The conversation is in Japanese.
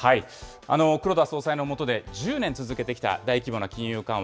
黒田総裁の下で１０年続けてきた大規模な金融緩和。